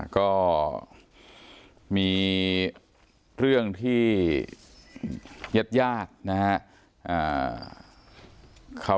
ก็มีเรื่องที่ยัดนะฮะ